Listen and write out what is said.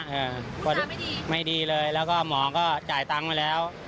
คนไม่ดีเลยแล้วก็หมอก็จ่ายตังค์ไว้แล้ว